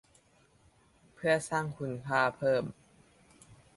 เพื่อสร้างคุณค่าเพิ่ม